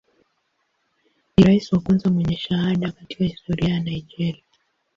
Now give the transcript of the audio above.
Ni rais wa kwanza mwenye shahada katika historia ya Nigeria.